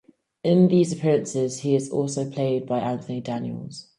In these appearances, he is also played by Anthony Daniels.